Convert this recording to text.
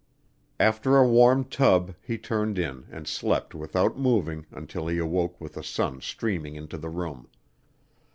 After a warm tub, he turned in and slept without moving until he awoke with the sun streaming into the room.